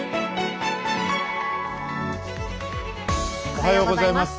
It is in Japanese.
おはようございます。